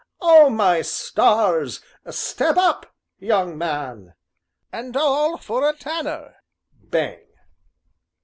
"O my stars! step up [young man] and all for a tanner." (Bang!)